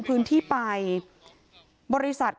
ก็คุณตามมาอยู่กรงกีฬาดครับ